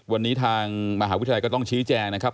วันนี้ทางมหาวิทยาลัยก็ต้องชี้แจงนะครับ